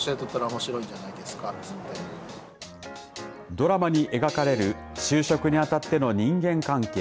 ドラマに描かれる就職にあたっての人間関係。